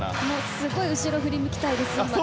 すごい、今後ろを振り向きたいです。